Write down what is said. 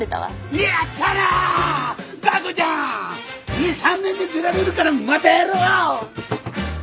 ２３年で出られるからまたやろう！